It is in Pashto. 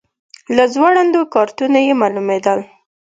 له ځوړندو کارتونو یې معلومېدل.